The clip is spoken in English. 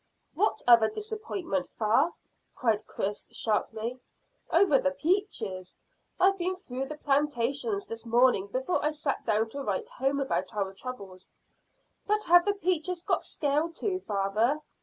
"What other disappointment, fa?" cried Chris sharply. "Over the peaches. I've been through the plantations this morning before I sat down to write home about our troubles." "But have the peaches got scale too, father?"